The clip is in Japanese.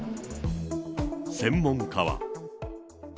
専門家は。